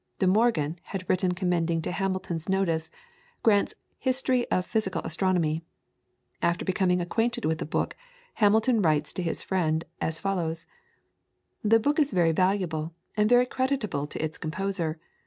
De Morgan had written commending to Hamilton's notice Grant's "History of Physical Astronomy." After becoming acquainted with the book, Hamilton writes to his friend as follows: "The book is very valuable, and very creditable to its composer.